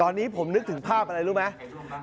ตอนนี้ผมนึกถึงภาพอะไรรู้ไหม